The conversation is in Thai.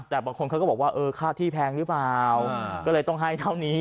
แต่บางคนเขาก็บอกว่าเออค่าที่แพงหรือเปล่าก็เลยต้องให้เท่านี้